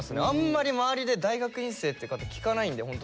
あんまり周りで大学院生って方聞かないんで。